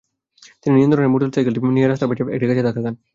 তিনি নিয়ন্ত্রণ হারিয়ে মোটরসাইকেলটি নিয়ে রাস্তার পাশের একটি গাছে ধাক্কা খান।